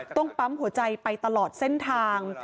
ต้องปั๊มหัวใจไปตลอดเส้นทาง